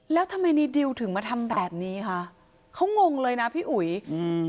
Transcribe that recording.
แล้วทำไมในดิวถึงมาทำแบบนี้คะเขางงเลยนะพี่อุ๋ยอืม